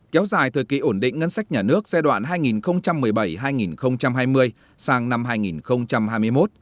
kéo dài thời kỳ ổn định ngân sách nhà nước giai đoạn hai nghìn một mươi bảy hai nghìn hai mươi sang năm hai nghìn hai mươi một